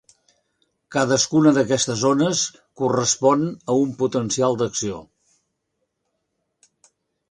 Cadascuna d'aquestes ones correspon a un potencial d'acció.